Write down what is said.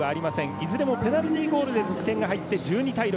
いずれもペナルティゴールで得点が入って１２対６